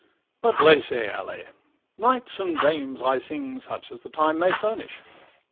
But 'laissez aller'—knights and dames I sing, Such as the times may furnish.